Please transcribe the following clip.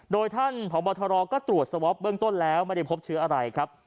โดยท่านพบทรก็ตรวจสวอปเบื้องต้นแล้วไม่ได้พบเชื้ออะไรครับ